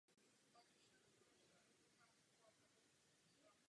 Medvěd často bývá obětní beránek ostatních postav.